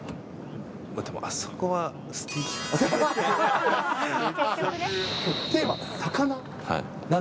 でもあそこはステーキかな。